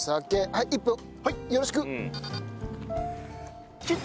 はい１分よろしく！